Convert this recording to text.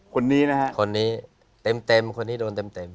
คนนี้นะฮะคนนี้เต็มคนนี้โดนเต็ม